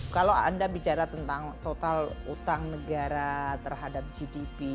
kalau anda bicara tentang total utang negara terhadap gdp